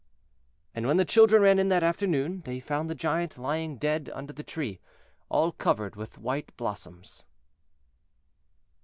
And when the children ran in that afternoon, they found the Giant lying dead under the tree, all covered with white blossoms.